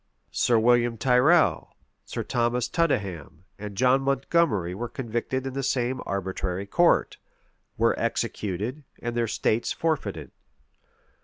[*] Sir William Tyrrel, Sir Thomas Tudenham, and John Montgomery were convicted in the same arbitrary court; were executed, and their estates forfeited.